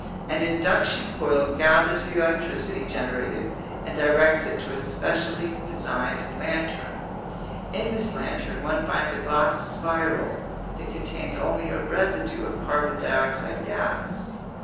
An induction coil gathers the electricity generated and directs it to a specially designed lantern. In this lantern one finds a glass spiral that contains only a residue of carbon dioxide gas.